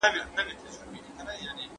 كي مي ته اوســېږې